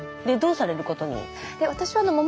でどうされることに？